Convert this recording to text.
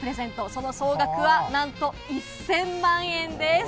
その総額はなんと１０００万円です。